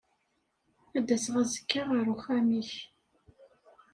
Ad d-aseɣ azekka ɣer uxxam-ik.